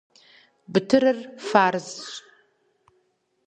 Бытырыр фарзщ.